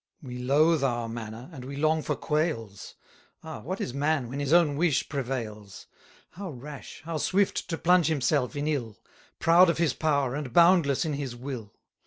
130 We loathe our manna, and we long for quails; Ah, what is man when his own wish prevails! How rash, how swift to plunge himself in ill! Proud of his power, and boundless in his will!